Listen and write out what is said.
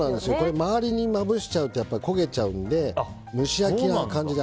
周りにまぶしちゃうと焦げちゃうので蒸し焼きな感じで。